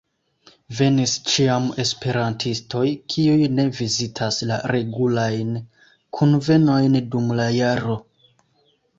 Venis ĉiam esperantistoj, kiuj ne vizitas la regulajn kunvenojn dum la jaro.